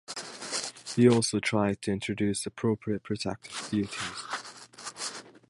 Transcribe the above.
He also tried to introduce appropriate protective duties.